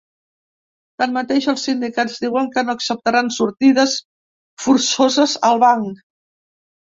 Tanmateix, els sindicats diuen que no acceptaran sortides forçoses al banc.